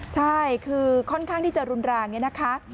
ใช่คือค่อนข้างที่จะรุนแรงเนี่ยนะคะ